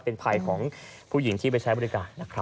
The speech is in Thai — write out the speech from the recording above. เป็นภัยของผู้หญิงที่ไปใช้บริการนะครับ